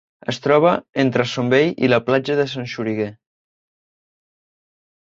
Es troba entre Son Vell i la Platja de Son Xoriguer.